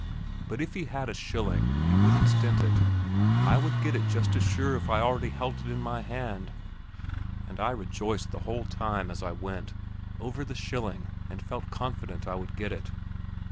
But if he had a shilling he wouldn't stint it. I would get it just as sure as if I already held it in my hand. And I rejoiced the whole time, as I went, over the shilling, and felt confident I would get it.